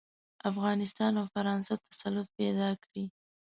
افغانستان او فرانسه تسلط پیدا کړي.